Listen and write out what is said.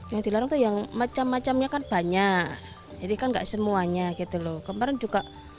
yang dilarang tuh yang macam macamnya kan banyak jadi kan enggak semuanya gitu loh kemarin juga